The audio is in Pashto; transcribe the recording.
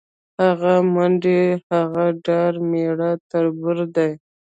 هغه منډې، هغه ډار میړه تربور دی